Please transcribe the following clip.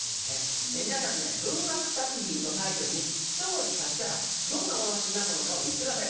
皆さん文学作品のタイトルにひと文字足したらどんなお話になったのかを言ってください。